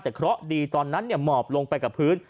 แต่เคราะห์ดีตอนนั้นหมอบลงไปกับพื้น